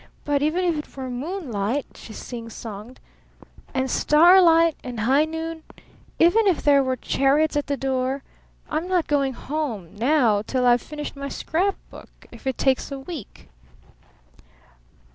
But even if it were moonlight," she singsonged, "and starlight and high noon; even if there were chariots at the door, I'm not going home now till I've finished my scrap book if it takes a week."